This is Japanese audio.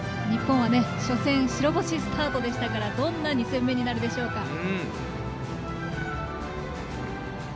日本は、初戦白星スタートでしたからどんな２戦目になるでしょうか。